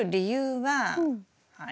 はい。